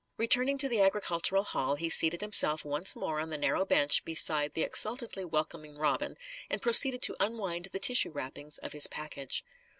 Returning to the Agricultural Hall, he seated himself once more on the narrow bench beside the exultantly welcoming Robin, and proceeded to unwind the tissue wrappings of his package.